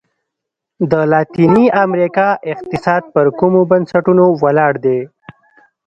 د لاتیني امریکا اقتصاد پر کومو بنسټونو ولاړ دی؟